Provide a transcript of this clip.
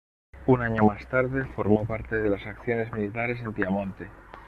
Un año más tarde formó parte de las acciones militares en Piamonte.